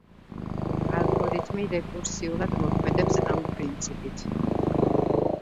ალგორითმი რეკურსიულად მოქმედებს ამ პრინციპით.